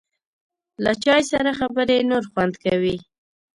له چای سره خبرې نور خوند کوي.